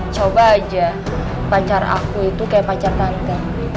coba aja pacar aku itu kayak pacar tante